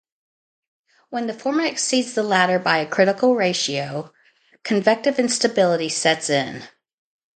When the former exceeds the latter by a critical ratio, convective instability sets in.